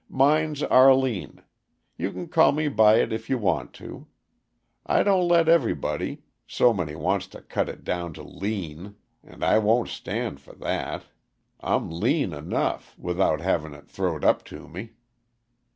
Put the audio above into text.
Mine's Arline. You can call me by it if you want to. I don't let everybody so many wants to cut it down to Leen, and I won't stand for that; I'm lean enough, without havin' it throwed up to me.